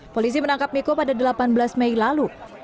polisi menangkap miko pada delapan belas mei lalu